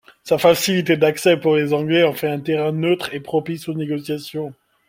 Sa facilité d'accès pour les Anglais en fait un terrain neutre propice aux négociations.